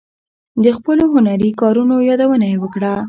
د خپلو هنري کارونو یادونه یې وکړه.